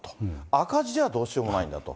赤字じゃあどうしようもないと。